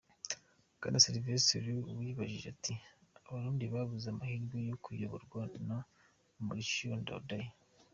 Bwana Sylvestre Uwibajie ati abarundi babuze amahirwe yo kuyoborwa na Melchior Ndadaye.